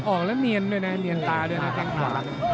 ออกแล้วเนียนด้วยนะเนียนตาด้วยนะข้างขวา